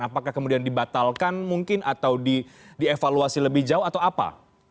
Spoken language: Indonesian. apakah kemudian dibatalkan mungkin atau dievaluasi lebih jauh atau apa